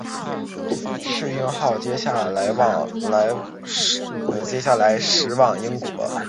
耆英号接下来驶往英国。